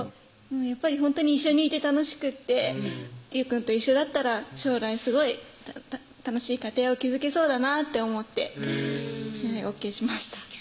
やっぱりほんとに一緒にいて楽しくってゆうくんと一緒だったら将来すごい楽しい家庭を築けそうだなって思ってＯＫしました